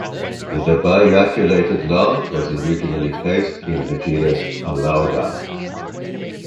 The bimaculated lark was originally placed in the genus "Alauda".